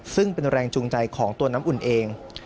ซึ่งเป็นแรงจูงใจของตัวน้ำอุ่นเอง